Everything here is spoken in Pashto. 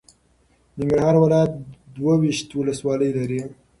ننګرهار ولایت دوه ویشت ولسوالۍ لري.